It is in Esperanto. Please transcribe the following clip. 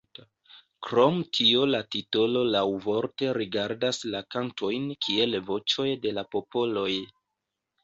Krom tio la titolo laŭvorte rigardas la kantojn kiel voĉoj de la popoloj.